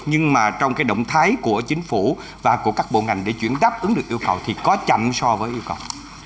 nhưng mà trong cái động thái của chính phủ và của các bộ ngành để chuyển đáp ứng được yêu cầu thì có chậm so với yêu cầu